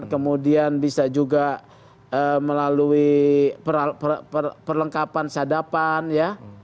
kemudian bisa juga melalui perlengkapan sadapan ya